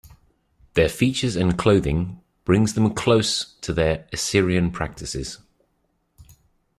Their features and clothing brings them close to their Assyrian practices.